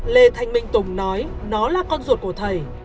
lê thanh minh tùng nói nó là con ruột của thầy